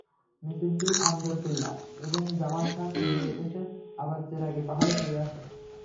মিছিলটি আন্দরকিল্লা এবং জামালখান ঘুরে এসে আবার চেরাগি পাহাড়ে ফিরে আসে।